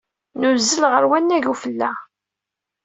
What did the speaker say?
Nuzzel ɣer wannag n ufella.